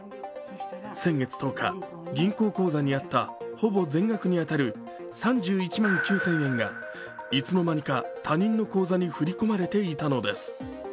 先月１０日、銀行口座にあったほぼ全額に当たる３１万９０００円がいつの間にか他人の口座に振り込まれていたのです。